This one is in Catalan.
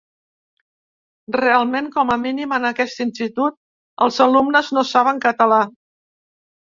Realment, com a mínim en aquest institut, els alumnes no saben català.